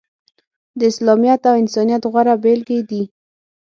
د اسلامیت او انسانیت غوره بیلګې دي.